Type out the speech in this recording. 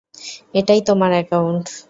এটাই তোমার একাউন্ট।